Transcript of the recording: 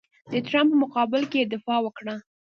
د ټرمپ په مقابل کې یې دفاع وکړه.